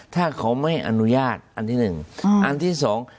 ถ้าเขาไม่อนุญาตอันที่หนึ่งอ่าอันที่สอง